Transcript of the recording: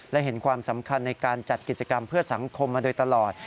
และเห็นความสำคัญในการจัดกิจกรรมเพื่อสังคมมาโดยตลอด